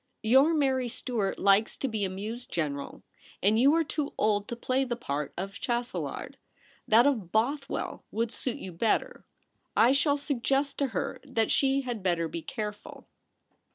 Your Mary Stuart likes to be amused, General, and you are too old to play the part of a Chastelard. That of Both well would suit you better. I shall suggest to her that she had better be careful.'